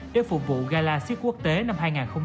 để phục vụ gala xiết quốc tế năm hai nghìn một mươi chín